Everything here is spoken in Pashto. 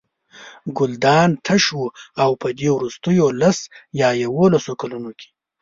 ګلدان تش و او په دې وروستیو لس یا یوولسو کلونو کې.